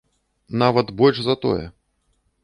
Нават больш за тое.